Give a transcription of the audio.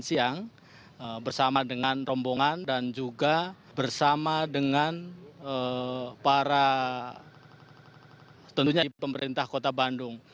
siang bersama dengan rombongan dan juga bersama dengan para tentunya pemerintah kota bandung